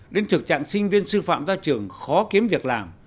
đến thực trạng sinh viên sư phạm ra trường khó kiếm việc làm